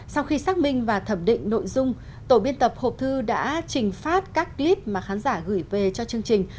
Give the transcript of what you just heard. sau khi xác minh và thẩm định nội dung tổ biên tập hộp thư đã trình phát các clip mà khán giả gửi về cho chương trình